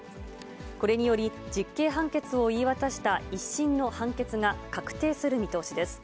これにより、実刑判決を言い渡した１審の判決が確定する見通しです。